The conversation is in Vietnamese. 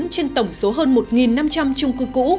trên tổng số hơn một năm trăm linh trung cư cũ